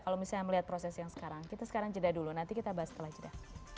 kalau misalnya melihat proses yang sekarang kita sekarang jeda dulu nanti kita bahas setelah jeda